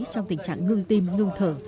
trong tình trạng ngưng tim ngưng thở